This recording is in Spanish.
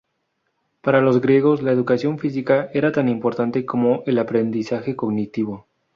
Para los griegos, la educación física era tan importante como el aprendizaje cognitivo.